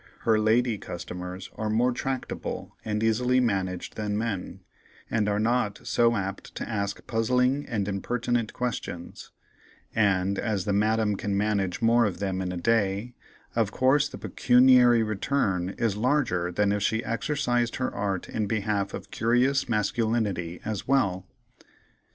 Her "lady" customers are more tractable and easily managed than men, and are not so apt to ask puzzling and impertinent questions; and as the Madame can manage more of them in a day, of course the pecuniary return is larger than if she exercised her art in behalf of curious masculinity as well.